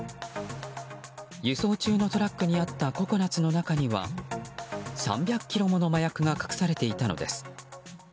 輸送中のトラックにあったココナツの中には３００ｋｇもの麻薬が隠されていたのです。